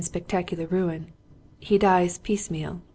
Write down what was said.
2 1 1 spectacular ruin, he dies piece meal.